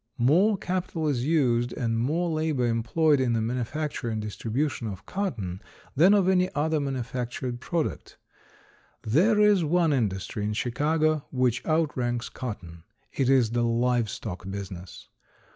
More capital is used and more labor employed in the manufacture and distribution of cotton than of any other manufactured product. There is one industry in Chicago which out ranks cotton. It is the live stock business.